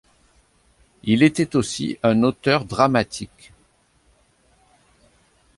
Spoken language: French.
Il était aussi un auteur dramatique.